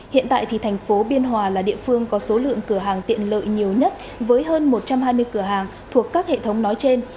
hiện tại thì thành phố biên hòa là địa phương có số lượng cửa hàng tiện lợi nhiều nhất với hơn một trăm hai mươi cửa hàng thuộc các hệ thống nói trên